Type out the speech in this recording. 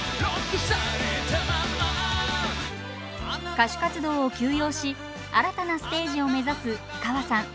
歌手活動を休養し新たなステージを目指す氷川さん。